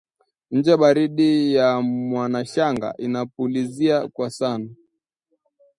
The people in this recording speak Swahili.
Nje, baridi ya mwanashanga inapulizia kwa sana